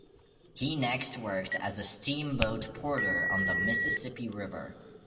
He next worked as a steamboat porter on the Mississippi River.